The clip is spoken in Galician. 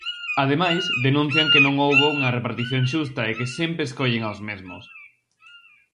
Ademais, denuncian que non houbo unha repartición xusta e que "sempre escollen aos mesmos".